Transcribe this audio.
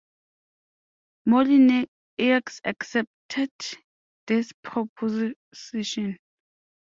Molyneux accepted this proposition.